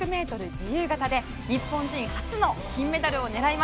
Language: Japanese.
自由形で日本人初の金メダルを狙います。